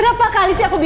damaikan mati ini